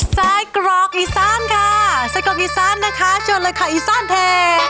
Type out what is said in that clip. ไส้กรอกอีสานค่ะไส้กรอกอีสานนะคะเชิญเลยค่ะอีซ่านเท